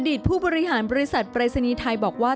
อดีตผู้บริหารบริษัทประศนีไทยบอกว่า